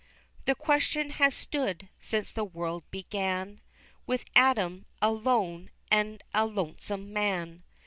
The question has stood since the world began With Adam, a lone and a lonesome man.